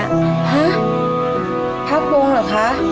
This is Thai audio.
ฮะพระกงเหรอคะ